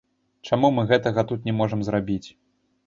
Чаму мы гэтага тут не можам зрабіць?